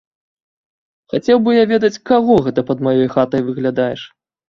Хацеў бы я ведаць, каго гэта пад маёй хатай выглядаеш?